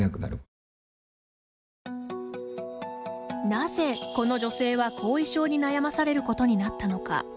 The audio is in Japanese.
なぜ、この女性は後遺症に悩まされることになったのか。